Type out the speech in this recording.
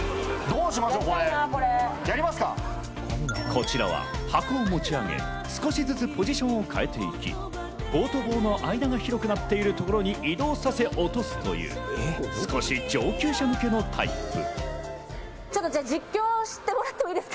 こちらは箱を持ち上げ、少しずつポジションを変えていき、棒と棒の間が広くなっているところに移動させ落とすという少し上級者向けのタイプ。